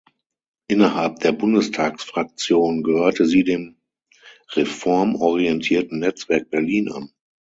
Innerhalb der Bundestagsfraktion gehörte sie dem reformorientierten Netzwerk Berlin an.